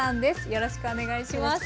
よろしくお願いします。